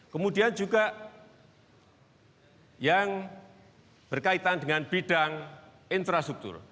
kemudian juga yang berkaitan dengan bidang infrastruktur